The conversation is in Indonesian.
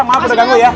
maaf udah ganggu ya